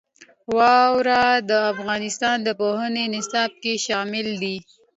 واوره د افغانستان د پوهنې نصاب کې شامل دي.